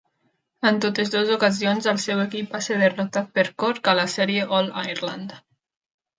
En totes dues ocasions el seu equip va ser derrotat per Cork a la sèrie All-Ireland.